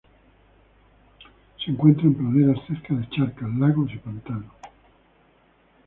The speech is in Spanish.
Se encuentra en praderas cerca de charcas, lagos y pantanos.